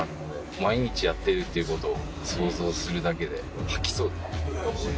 毎日やってるということを想像するだけで吐きそう。